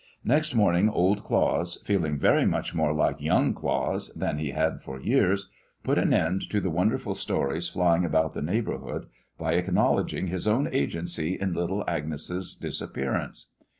Next morning Old Claus, feeling very much more like Young Claus than he had for years, put an end to the wonderful stories flying about the neighborhood by acknowledging his own agency in little Agnes' disappearance.